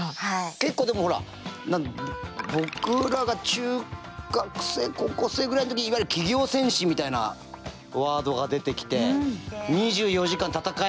結構でもほら僕らが中学生高校生ぐらいの時にいわゆる企業戦士みたいなワードが出てきてＣＭとかもあって。